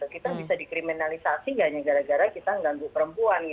kita bisa dikriminalisasi hanya gara gara kita mengganggu perempuan